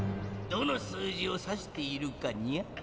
どの数字をさしているかにゃ？